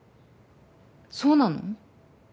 そうなの？